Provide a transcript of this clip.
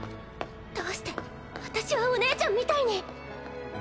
どうして私はお姉ちゃんみたいに